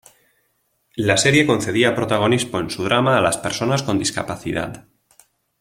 La serie concedía protagonismo en su trama a las personas con discapacidad.